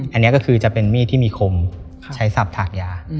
อันนี้ก็คือจะเป็นมีดที่มีคมใช้สับถากยา